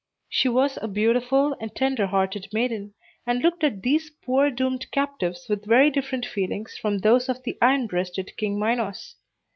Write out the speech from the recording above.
She was a beautiful and tender hearted maiden, and looked at these poor doomed captives with very different feelings from those of the iron breasted King Minos.